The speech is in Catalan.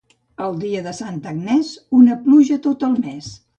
El dia de Santa Agnès, una pluja tot el mes.